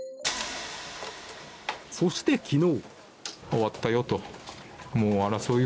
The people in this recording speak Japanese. そして昨日。